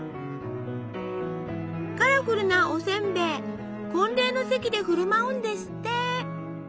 カラフルなおせんべい婚礼の席で振る舞うんですって！